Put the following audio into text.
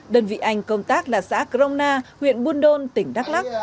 đơn vị anh công tác là xã crona huyện buôn đôn tỉnh đắk lắc